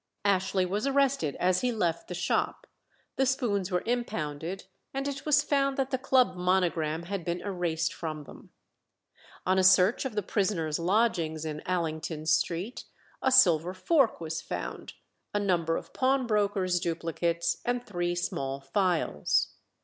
Ashley was arrested as he left the shop; the spoons were impounded, and it was found that the club monogram had been erased from them. On a search of the prisoner's lodgings in Allington Street, a silver fork was found, a number of pawnbrokers' duplicates, and three small files.